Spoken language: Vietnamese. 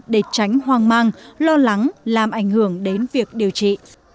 để tránh hoang mang lo lắng làm ảnh hưởng đến việc điều trị